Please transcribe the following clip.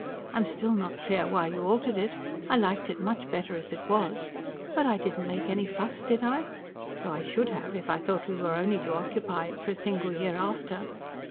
I'm still not clear why you altered it. I liked it much better as it was. But I didn't make any fuss, did I? though I should have, if I'd thought we were only to occupy it for a single year after.